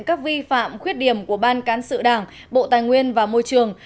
các vi phạm khuyết điểm của ban cán sự đảng bộ tài nguyên và môi trường